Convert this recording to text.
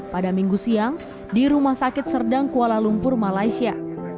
pada minggu siang di rumah sakit serdang kuala lumpur malaysia